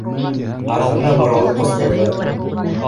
— Артына боролоп ҡысҡырҙы